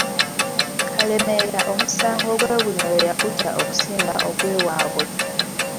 Kalemeera omusango gw'e Bunyoro yagutya okusinga ogw'ewaabwe.